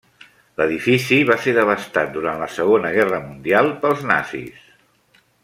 L'edifici va ser devastat durant la Segona Guerra Mundial pels nazis.